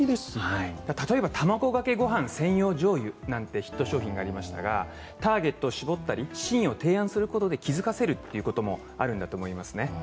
例えば、玉子かけご飯専用しょうゆなんて商品がありましたが、ターゲットを絞ったり、シーンを提案することで気づかせるということもあるんだと思いますね。